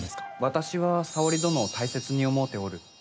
私は沙織殿を大切に思うておる。